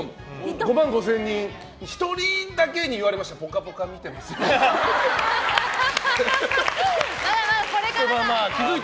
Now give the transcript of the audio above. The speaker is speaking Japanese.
５万５０００人のうち１人だけに言われました「ぽかぽか」見てますって。